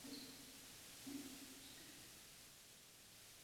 文宗说不妨任李宗闵为州刺史。